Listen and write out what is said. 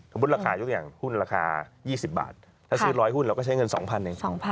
ราคายกอย่างหุ้นราคา๒๐บาทถ้าซื้อ๑๐๐หุ้นเราก็ใช้เงิน๒๐๐เอง